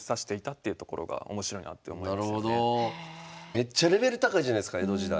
めっちゃレベル高いじゃないすか江戸時代。